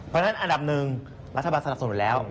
เพราะฉะนั้นอันดับหนึ่งรัฐบาลสนับสนุนแล้ว